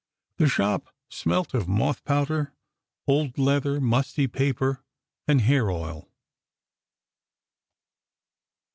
The shop smelt of moth powder, old leather, musty paper, and hair oil.